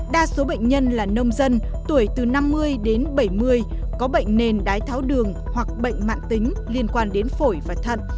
đa số bệnh nhân là nông dân tuổi từ năm mươi đến bảy mươi có bệnh nền đái tháo đường hoặc bệnh mạng tính liên quan đến phổi và thận